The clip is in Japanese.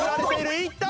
いった！